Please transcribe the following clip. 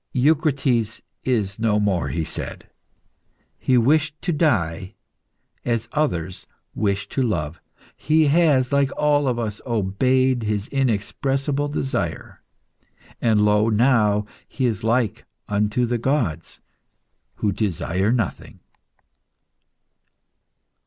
"Eucrites is no more," he said. "He wished to die as others wish to love. He has, like all of us, obeyed his inexpressible desire. And, lo, now he is like unto the gods, who desire nothing."